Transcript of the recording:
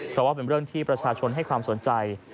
เพราะว่าเป็นเรื่องที่ประชาชนให้ความสนใจ